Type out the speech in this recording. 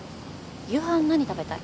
夕飯何食べたい？